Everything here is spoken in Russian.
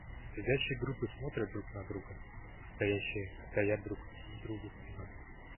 Сидящие группы смотрят друг на друга, а стоящие стоят друг к другу спиной.